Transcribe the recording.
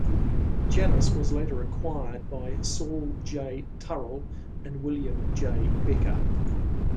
Janus was later acquired by Saul J. Turell and William J. Becker.